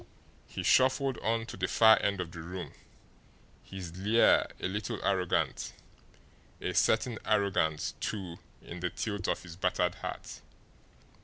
He shuffled on to the far end of the room, his leer a little arrogant, a certain arrogance, too, in the tilt of his battered hat.